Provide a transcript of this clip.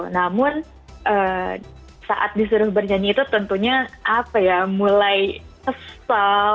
namun saat disuruh bernyanyi itu tentunya apa ya mulai kesal